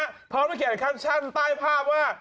พี่แท็กมีเกียรติแคล็กชั่นใต้ภาพว่า